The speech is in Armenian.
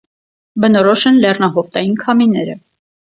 Բնորոշ են լեռնահովտային քամիները։